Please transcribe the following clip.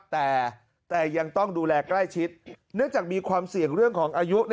แต่ยังต้องดูแลใกล้ชิดเนื่องจากมีความเสี่ยงเรื่องของอายุ